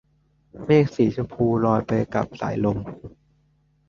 เมฆสีชมพูลอยไปกับสายลม